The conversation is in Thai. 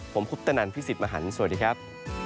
ผมพุฤตนันทร์พิวสิทธิ์มหันต์สวัสดีครับ